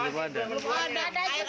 air apa nggak ada